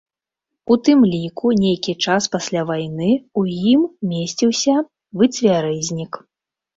У тым ліку нейкі час пасля вайны ў ім месціўся выцвярэзнік.